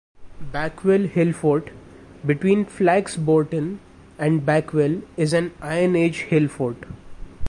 Backwell Hillfort between Flax Bourton and Backwell is an iron age hill fort.